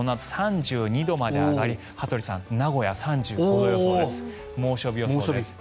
東京はこのあと３２度まで上がり名古屋は３５度予想で猛暑日予想です。